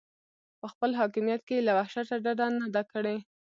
په خپل حاکمیت کې یې له وحشته ډډه نه ده کړې.